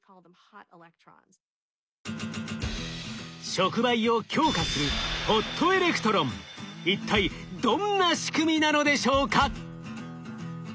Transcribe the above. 触媒を強化する一体どんな仕組みなのでしょうか？